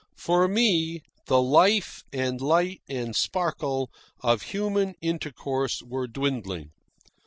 For me the life, and light, and sparkle of human intercourse were dwindling.